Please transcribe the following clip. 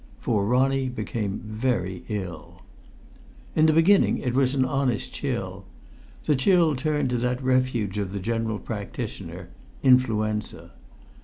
For Ronnie became very ill. In the beginning it was an honest chill. The chill turned to that refuge of the General Practitioner influenza.